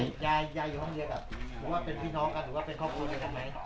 มีความที่หน่อยครับไม่แก่ได้ทุกข้าวนะครับแม่เธอแม่เธอ